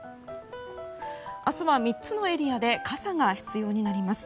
明日は３つのエリアで傘が必要になります。